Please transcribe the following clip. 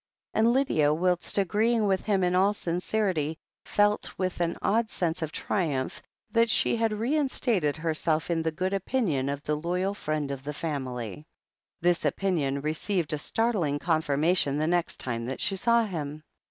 And Lydia, whilst agreeing with him in all sincerity, felt with an odd sense of triumph that she had rein stated herself in the good opinion of the loyal friend of the family. This opinion received a startling confirmation the next time that she saw him.